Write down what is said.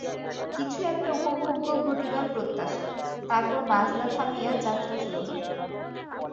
কিছু একটা উপভোগ্য ঘটিবার প্রত্যাশা, তারপর বাজনা থামিয়া যাত্রা শুরু হয়।